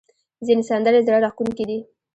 ځینې سندرې زړه راښکونکې دي.